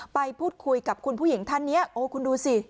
ไปพูดคุยกับคุณผู้หญิงท่านนี้โอ้คุณดูสิ